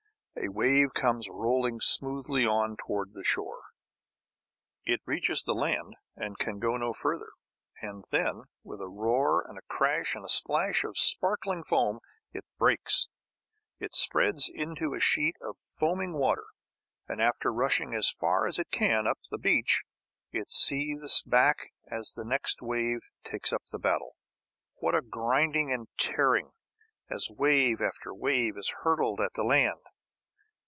A wave comes rolling smoothly on towards the shore. It reaches the land and can go no further, and then, with a roar and a crash and splash of sparkling foam, it breaks. It spreads into a sheet of foaming water, and, after rushing as far as it can up the beach, it seethes back as the next wave takes up the battle. What a grinding and tearing, as wave after wave is hurled at the land!